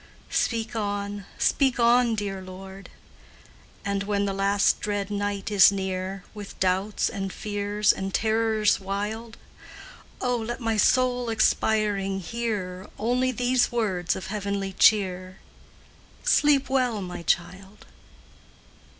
Speak on speak on, dear Lord! And when the last dread night is near, With doubts and fears and terrors wild, Oh, let my soul expiring hear Only these words of heavenly cheer, "Sleep well, my child!"